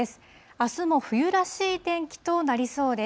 あすも冬らしい天気となりそうです。